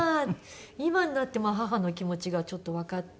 今になって母の気持ちがちょっとわかって。